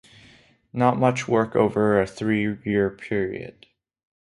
Not much work over a three year period.